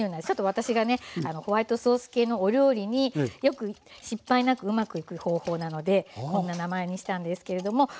ちょっと私がねホワイトソース系のお料理によく失敗なくうまくいく方法なのでこんな名前にしたんですけれども。